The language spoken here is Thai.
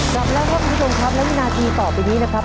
กลับแล้วครับคุณผู้ชมครับและวินาทีต่อไปนี้นะครับ